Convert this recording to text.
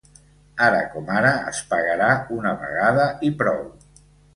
Ara com ara, es pagarà una vegada i prou.